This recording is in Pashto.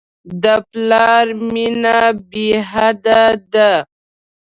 د پلار مینه بېحده ده.